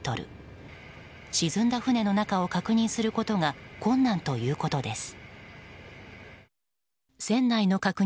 沈んだ船の中を確認することが困難ということです。